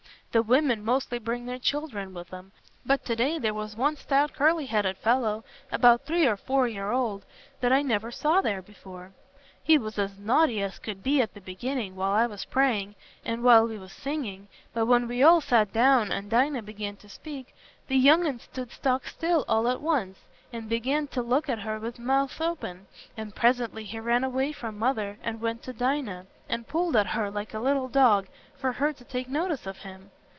The women mostly bring their children with 'em, but to day there was one stout curly headed fellow about three or four year old, that I never saw there before. He was as naughty as could be at the beginning while I was praying, and while we was singing, but when we all sat down and Dinah began to speak, th' young un stood stock still all at once, and began to look at her with's mouth open, and presently he ran away from's mother and went to Dinah, and pulled at her, like a little dog, for her to take notice of him.